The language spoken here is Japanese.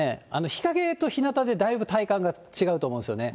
日陰とひなたでだいぶ体感が違うと思うんですよね。